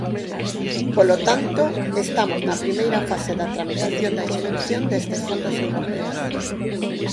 Polo tanto, estamos na primeira fase da tramitación da execución destes fondos europeos.